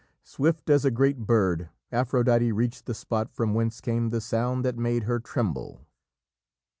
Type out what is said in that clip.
Swift as a great bird, Aphrodite reached the spot from whence came the sound that made her tremble.